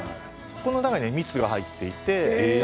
この中に蜜が入っています。